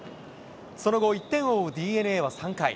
その後、１点を追うＤｅＮＡは３回。